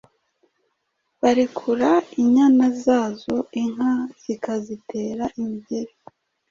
Barekura inyana zazo inka zikazitera imigeri